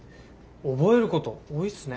覚えること多いっすね。